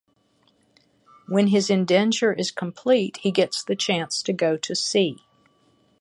When his indenture is complete, he gets the chance to go to sea.